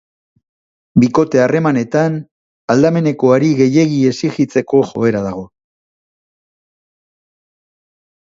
Bikote harremanetan aldamenekoari gehiegi exijitzeko joera dago.